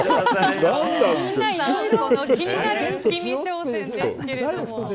気になる月見商戦ですけれども。